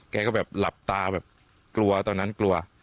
แกก็แบบหลับตาแบบกลัวตอนนั้นกลัว